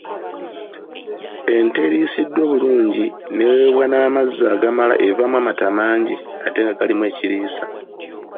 Ente eriisiddwa obulungi n’eweebwa n’amazzi agamala evaamu amata mangi ate nga galimu ekiriisa.